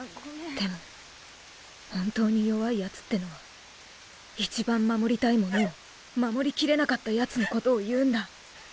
でも本当に弱いヤツってのは一番守りたいモノを守り切れなかったヤツのことを言うんだ